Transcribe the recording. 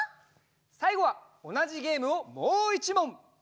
さいごはおなじゲームをもう１もん！